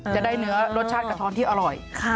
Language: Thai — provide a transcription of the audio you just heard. จะได้เนื้อรสชาติกระท้อนที่อร่อย